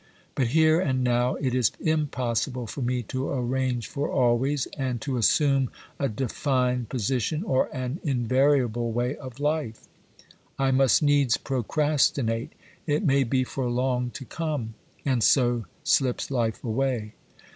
But here and now it is impossible for me to arrange for always, and to assume a defined position or an invariable way of life. I must needs procrastinate, it may be for long to come ; and so slips life away.